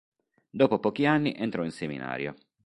Dopo pochi anni entrò in seminario.